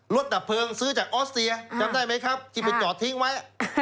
ดับเพลิงซื้อจากออสเซียจำได้ไหมครับที่ไปจอดทิ้งไว้